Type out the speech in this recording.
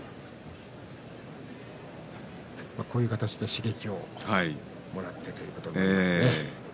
こういう形で刺激をもらってということですね。